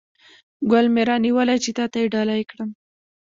ګل مې را نیولی چې تاته یې ډالۍ کړم